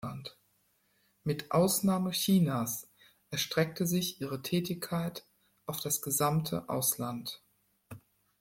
Mit Ausnahme Chinas erstreckte sich ihre Tätigkeit auf das gesamte Ausland.